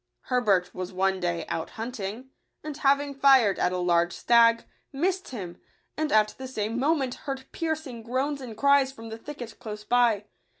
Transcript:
Herbert was one day out hunting; and having fired at a large stag, missed him, and at the same moment heard piercing groans and cries from the thicket close by.